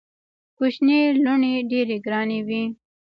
کوچنۍ لوڼي ډېري ګراني وي.